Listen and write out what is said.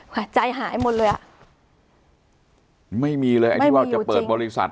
หัวใจหายหมดเลยอ่ะไม่มีเลยไอ้ที่ว่าจะเปิดบริษัท